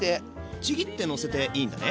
ちぎってのせていいんだね。